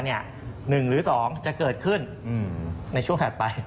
หนึ่งหรือ๒จะเกิดขึ้นในช่วงถัดไป